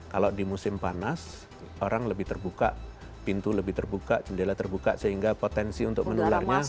kalau di musim panas orang lebih terbuka pintu lebih terbuka jendela terbuka sehingga potensi untuk menularnya